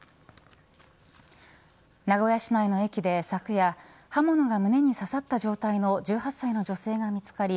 名古屋市内の駅で昨夜刃物が胸に刺さった状態の１８歳の女性が見つかり